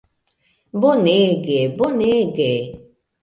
Bonege... bonege...